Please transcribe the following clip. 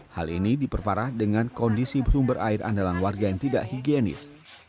hal ini diperparah dengan kondisi berumur air andalan warga yang tidak higienis